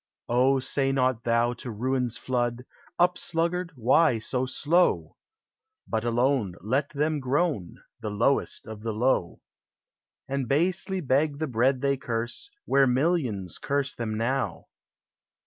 O, say not thou to ruin's flood, "Up, sluggard ! why so slow? " lint alone, Let them groan, The lowest of the low ; And basely beg the bread they curse, Where millions curse them now